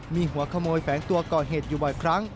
มีหัวขโมยแฝงตัวก่อเหตุอยู่บ่อยครั้ง